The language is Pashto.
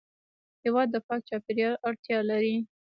هېواد د پاک چاپېریال اړتیا لري.